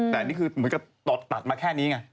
แต่นี่คือเหมือนกับตอดตัดมาแค่นี้ไง